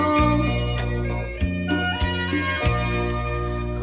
เพ่งชม